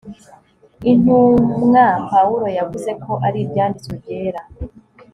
intumwa pawulo yavuze ko ari ibyanditswe byera